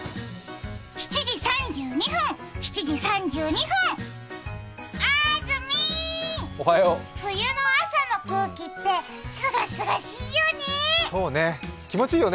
７時３２分、あーずみー、冬の朝の空気って、すがすがしいよね。